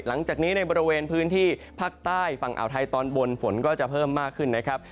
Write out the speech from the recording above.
หลังจากนี้ในบริเวณพื้นที่ภาคใต้ฝั่งอ่าวไทยตอนบนฝนก็จะเพิ่มมากขึ้นนะครับ